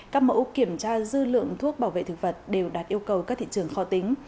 các mẫu kiểm tra dư lượng thuốc bảo vệ thực vật đều đạt yêu cầu các thị trường khó tính